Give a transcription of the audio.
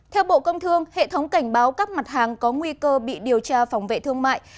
theo bộ công thương hệ thống cảnh báo các mặt hàng có nguy cơ bị điều tra phòng vệ thương mại